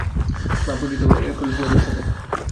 মা, পরিচিত হও এরকুল পোয়ারোর সাথে!